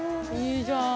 いいじゃん！